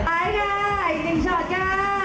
ตายค่ะอีกหนึ่งชอตค่ะ